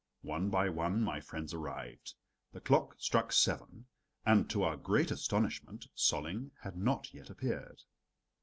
One by one my friends arrived, the clock struck seven, and to our great astonishment, Solling had not yet appeared.